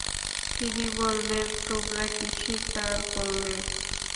তিনি বললেন, তোমরা কি স্বীকার করলে?